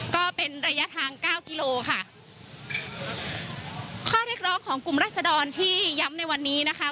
ก็เป็นระยะทางเก้ากิโลค่ะข้อเรียกร้องของกลุ่มรัศดรที่ย้ำในวันนี้นะคะ